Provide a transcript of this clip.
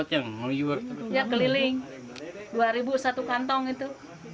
ya keliling dua ribu satu kantong itu